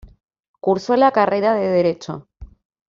Cursó la carrera de Derecho.